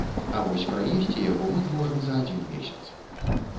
А вось праесці яго мы зможам за адзін месяц.